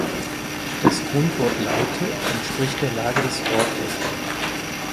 Das Grundwort Leite entspricht der Lage des Ortes.